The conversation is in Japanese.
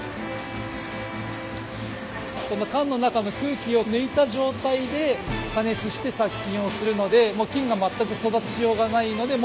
缶の中の空気を抜いた状態で加熱して殺菌をするので菌が全く育ちようがないのでもつっていう感じなんです。